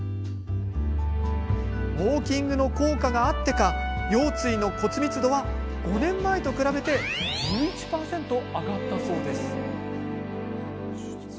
ウォーキングの効果があってか腰椎の骨密度は５年前と比べて１１％上がったそうです。